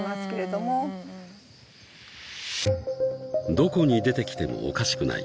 ［どこに出てきてもおかしくない］